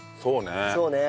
そうね。